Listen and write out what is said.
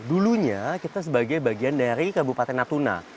dulunya kita sebagai bagian dari kabupaten natuna